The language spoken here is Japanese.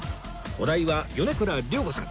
お題は米倉涼子さん